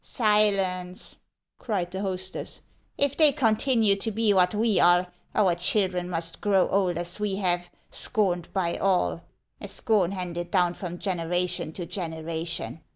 " Silence !" cried the hostess. " If they continue to be what we are, our children must grow old as we have, scorned by all, — a scorn handed down from generation to generation.